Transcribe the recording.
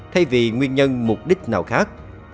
thay vì nguyên nhân mục đích nào khác